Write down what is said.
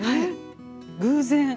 偶然。